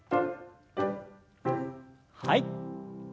はい。